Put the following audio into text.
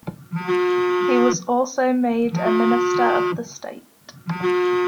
He was also made a minister of the state.